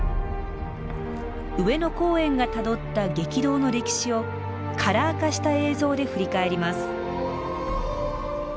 上野公園がたどった激動の歴史をカラー化した映像で振り返ります。